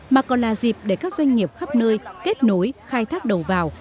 mà còn là dịp để các doanh nghiệp khắp nơi kết nối khai thác đầu vào